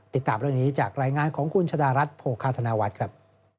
ติดตามเรื่องนี้จากรายงานของคุณชะดารัฐโภคาธนวัฒน์ครับ